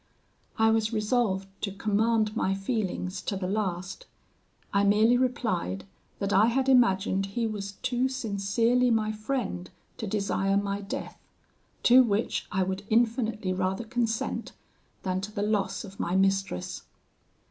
I was resolved to command my feelings to the last: I merely replied, that I had imagined he was too sincerely my friend to desire my death, to which I would infinitely rather consent than to the loss of my mistress.